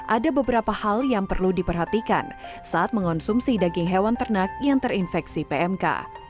ada beberapa hal yang perlu diperhatikan saat mengonsumsi daging hewan ternak yang terinfeksi pmk